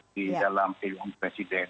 di dalam film presiden